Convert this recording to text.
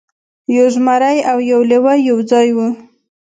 یو زمری او یو لیوه یو ځای وو.